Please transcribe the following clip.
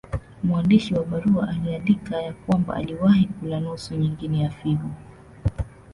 Mwandishi wa barua aliandika ya kwamba aliwahi kula nusu nyingine ya figo.